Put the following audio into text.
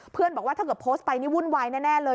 บอกว่าถ้าเกิดโพสต์ไปนี่วุ่นวายแน่เลย